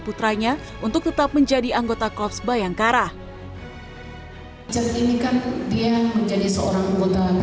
putranya untuk tetap menjadi anggota klubs bayangkara jadi kan dia menjadi seorang anggota